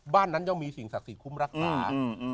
บ้านนั้นย่อมมีสิ่งศักดิ์สิทธิคุ้มรักษา